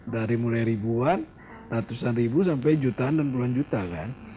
dari mulai ribuan ratusan ribu sampai jutaan dan puluhan juta kan